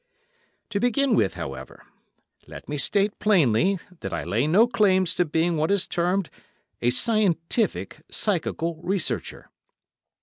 To begin with, however, let me state plainly that I lay no claims to being what is termed a scientific psychical researcher.